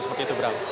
seperti itu bram